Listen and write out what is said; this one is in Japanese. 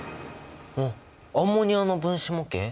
おっアンモニアの分子模型？